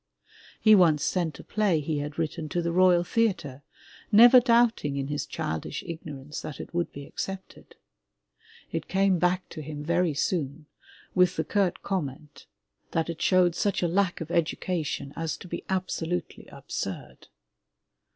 He once sent a play he had written to the Royal Theatre, never doubting in his childish ignorance that it would be accepted. It came back to him very soon with the curt comment that it showed such a lack 29 MY BOOK HOUSE of education as to be absolutely absurd.